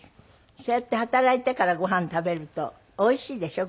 そうやって働いてからご飯食べるとおいしいでしょ？